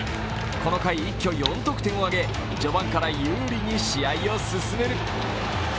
この回一挙４得点を挙げ、序盤から有利に試合を進める。